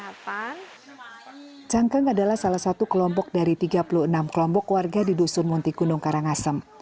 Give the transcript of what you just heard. hai jangkang adalah salah satu kelompok dari tiga puluh enam kelompok warga di dusun munti gunung karangasem